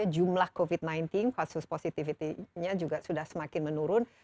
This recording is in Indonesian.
jumlah covid sembilan belas kasus positifnya juga sudah semakin menurun